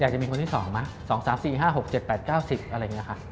มีคนที่๒ไหม๒๓๔๕๖๗๘๙๐อะไรอย่างนี้ค่ะ